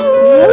oh oh siapa dia